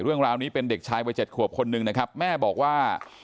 เรื่องราวนี้เป็นเด็กชายวัย๗ขวบคนหนึ่งนะครับแม่บอกว่า